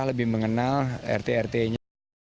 lebih mengenal rt rt nya